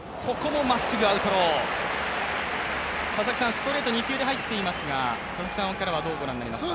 ストレート２球で入っていますが、どうご覧になりますか？